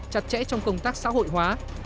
chặt chẽ trong công tác xã hội hóa